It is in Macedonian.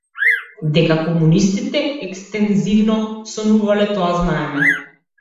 Дека комунистите екстензивно сонувале - тоа знаеме.